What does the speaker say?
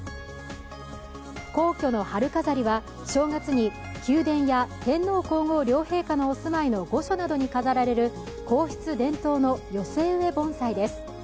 皇居の春飾りは正月に宮殿や天皇・皇后両陛下のお住まいの御所などに飾られる皇室伝統の寄植盆栽です。